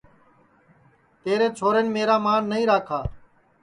تیرے چھورین میرا مان نائی راکھا